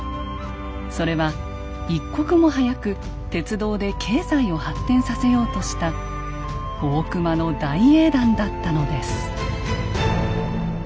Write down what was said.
それは一刻も早く鉄道で経済を発展させようとした大隈の大英断だったのです。